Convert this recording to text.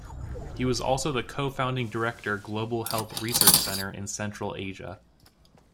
He was also the co-founding director Global Health Research Center in Central Asia.